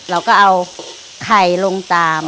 เราก็เอาไข่ลงตาม